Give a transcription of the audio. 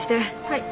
はい。